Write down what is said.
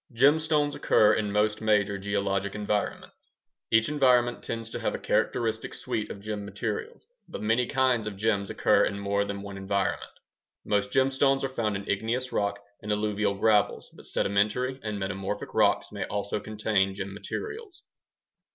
Gemstones occur in most major geologic environments. Each environment tends to have a characteristic suite of gem materials, but many kinds of gems occur in more than one environment. Most gemstones are found in igneous rocks and alluvial gravels, but sedimentary and metamorphic rocks may also contain gem materials.